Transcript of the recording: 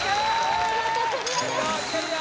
お見事クリアですよ